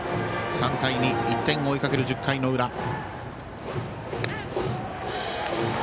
３対２、１点を追いかける１０回の裏。